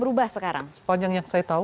berubah sekarang sepanjang yang saya tahu